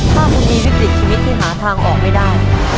ถ้ามีศิษย์ชีวิตที่หาทางออกไม่ได้